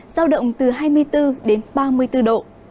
giao động từ hai mươi bốn đến ba mươi bốn độ